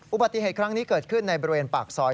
อุบัติเหตุครั้งนี้เกิดขึ้นในบริเวณปากซอย